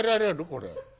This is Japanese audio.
これ。